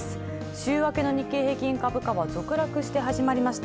週明けの日経平均株価は続落して始まりました。